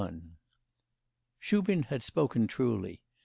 XXXI Shubin had spoken truly.